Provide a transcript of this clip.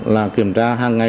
là kiểm tra hàng ngày